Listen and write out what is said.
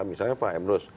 misalnya pak emrus